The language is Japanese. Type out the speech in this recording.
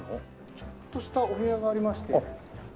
ちょっとしたお部屋がありまして。